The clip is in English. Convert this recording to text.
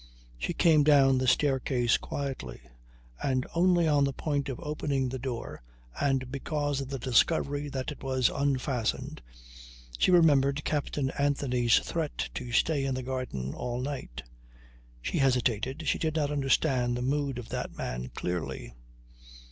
She came down the staircase quietly, and only on the point of opening the door and because of the discovery that it was unfastened, she remembered Captain Anthony's threat to stay in the garden all night. She hesitated. She did not understand the mood of that man clearly.